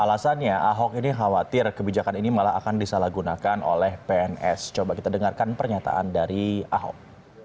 alasannya ahok ini khawatir kebijakan ini malah akan disalahgunakan oleh pns coba kita dengarkan pernyataan dari ahok